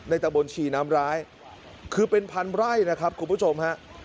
ตะบนชีน้ำร้ายคือเป็นพันไร่นะครับคุณผู้ชมฮะ